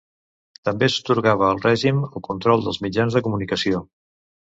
També s'atorgava al règim el control dels mitjans de comunicació.